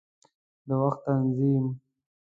د وخت تنظیم